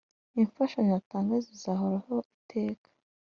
imfashanyo atanga zizahoraho iteka.